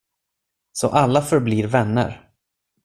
Så alla förblir vänner.